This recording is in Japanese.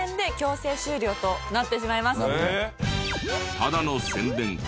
ただの宣伝か？